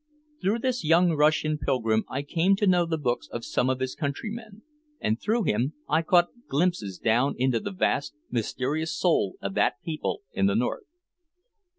Through this young Russian pilgrim I came to know the books of some of his countrymen, and through him I caught glimpses down into the vast, mysterious soul of that people in the North.